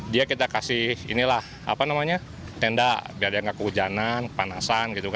dia kita kasih tenda biar dia tidak kehujanan panas